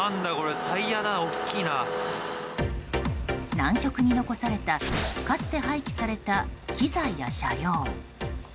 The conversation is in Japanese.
南極に残されたかつて廃棄された機材や車両。